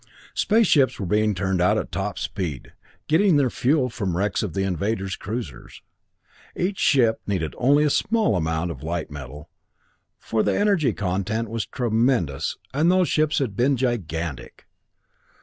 Space ships were being turned out at top speed, getting their fuel from the wrecks of the invaders' cruisers. Each ship needed only a small amount of the light metal, for the energy content was tremendous. And those ships had been gigantic.